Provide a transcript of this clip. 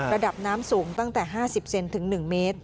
ระดับน้ำสูงตั้งแต่๕๐เซนถึง๑เมตร